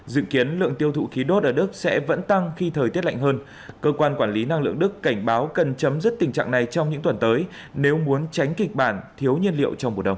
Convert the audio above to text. dự kiến lượng tiêu thụ khí đốt ở đức sẽ vẫn tăng khi thời tiết lạnh hơn cơ quan quản lý năng lượng đức cảnh báo cần chấm dứt tình trạng này trong những tuần tới nếu muốn tránh kịch bản thiếu nhiên liệu trong mùa đông